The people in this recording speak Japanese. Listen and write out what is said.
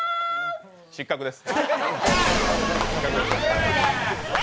失格です。